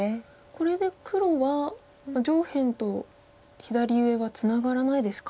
これで黒は上辺と左上はツナがらないですか。